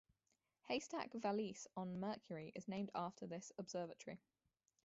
Haystack Vallis on Mercury is named after this observatory.